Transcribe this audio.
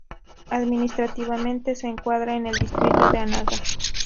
Administrativamente se encuadra en el distrito de Anaga.